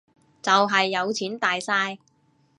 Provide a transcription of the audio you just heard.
就係有錢大晒